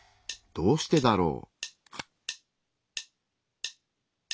どうしてだろう？